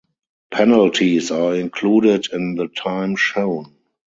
Penalties are included in the time shown.